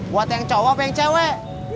buat yang cowok yang cewek